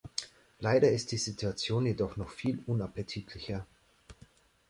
Leider ist die Situation jedoch noch viel unappetitlicher.